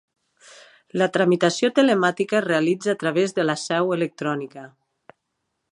La tramitació telemàtica es realitza a través de la seu electrònica.